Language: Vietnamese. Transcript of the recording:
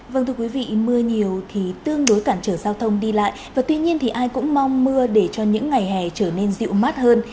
vâng thưa quý vị mưa nhiều thì tương đối cản trở giao thông đi lại và tuy nhiên thì ai cũng mong mưa để cho những ngày hè trở nên dịu mát hơn